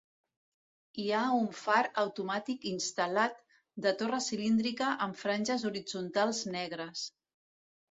Hi ha un far automàtic instal·lat, de torre cilíndrica amb franges horitzontals negres.